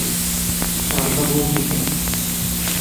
شاردا بہوں کی دا